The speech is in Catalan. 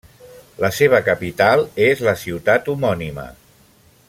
La seva capital és la ciutat homònima.